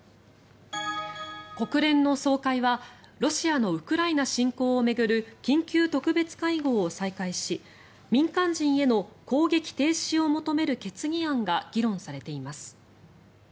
国連の総会はロシアのウクライナ侵攻を巡る緊急特別会合を再開し民間人への攻撃停止を求める決議案が議論されています。